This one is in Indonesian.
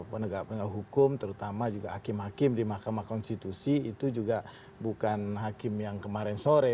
penegak penegak hukum terutama juga hakim hakim di mahkamah konstitusi itu juga bukan hakim yang kemarin sore